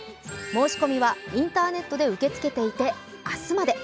申し込みはインターネットで受け付けていて明日まで。